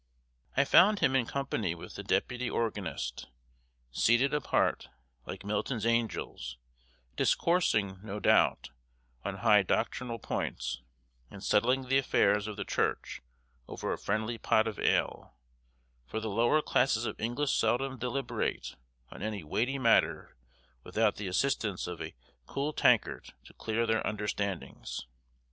I found him in company with the deputy organist, seated apart, like Milton's angels, discoursing, no doubt, on high doctrinal points, and settling the affairs of the church over a friendly pot of ale; for the lower classes of English seldom deliberate on any weighty matter without the assistance of a cool tankard to clear their understandings.